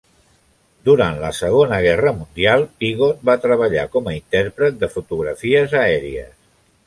Durant la Segona Guerra Mundial Piggott va treballar com a interpret de fotografies aèries.